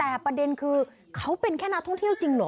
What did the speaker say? แต่ประเด็นคือเขาเป็นแค่นักท่องเที่ยวจริงเหรอ